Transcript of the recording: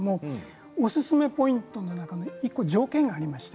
おすすめポイントの中に条件があります。